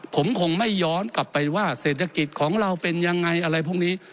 ผมคงไม่ย้อนกลับไปว่าเศรษฐกิจของเราเป็นยังไงอะไรพวกนี้